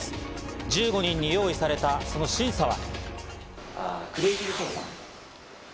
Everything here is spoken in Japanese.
１５人に用意されたその審査は。